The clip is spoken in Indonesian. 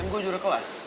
m gue juga udah kewas